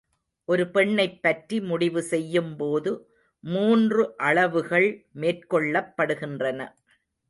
ஒரு பெண்ணைப் பற்றி முடிவு செய்யும்போது மூன்று அளவுகள் மேற்கொள்ளப்படுகின்றன.